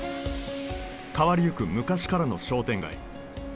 変わりゆく昔からの商店街。